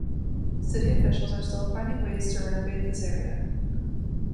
City officials are still finding ways to renovate this area.